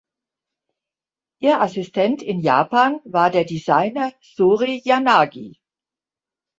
Ihr Assistent in Japan war der Designer Sori Yanagi.